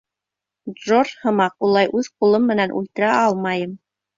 Джордж һымаҡ улай үҙ ҡулым менән үлтерә алмайым.